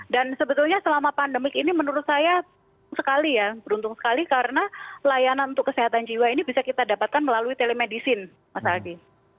dan sebetulnya selama pandemik ini menurut saya beruntung sekali ya beruntung sekali karena layanan untuk kesehatan jiwa ini bisa kita dapatkan melalui telemedicine mas haji